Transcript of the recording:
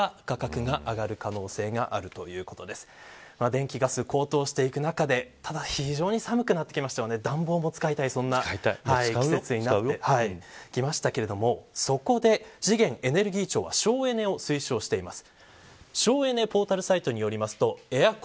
電気、ガスが高騰していく中で非常に寒くなってきたので暖房も使いたい季節になってきましたけどそこで資源エネルギー庁は省エネを推奨しています。